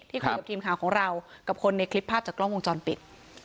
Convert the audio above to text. คุยกับทีมข่าวของเรากับคนในคลิปภาพจากกล้องวงจรปิด